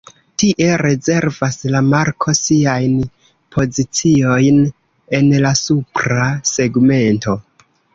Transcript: Tie rezervas la marko siajn poziciojn en la supra segmento.